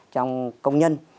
trong công nhân